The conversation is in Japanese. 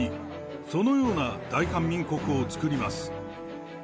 そのような大韓民国を作ります。